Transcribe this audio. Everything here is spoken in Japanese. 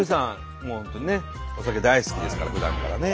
もう本当にねお酒大好きですからふだんからね。